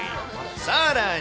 さらに。